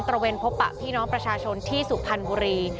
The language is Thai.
ระเวนพบปะพี่น้องประชาชนที่สุพรรณบุรี